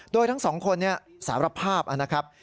โดยทั้งสองคนสารภาพนะครับ